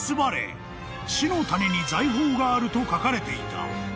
死の谷に財宝があると書かれていた］